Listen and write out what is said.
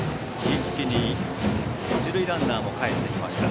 一気に一塁ランナーもかえりました。